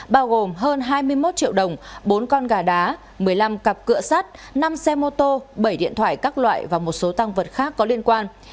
bao gồm hơn hai mươi một triệu đồng bốn con gà đá một mươi năm cặp cửa sắt năm xe mô tô bảy điện thoại các loại và một số tăng vật khác có liên quan